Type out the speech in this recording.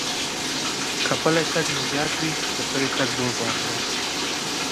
که پٔلی تگ مو زيات وي، د پلي تگ بوټ واخلئ.